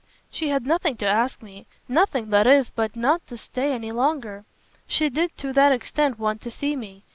"She had nothing to ask of me nothing, that is, but not to stay any longer. She did to that extent want to see me.